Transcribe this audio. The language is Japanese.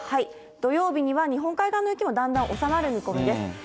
土曜日には日本海側の雪もだんだん収まる見込みです。